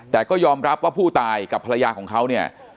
แต่ก็ยอมรับว่าผู้ตายกับภรรยาของเขาเนี่ย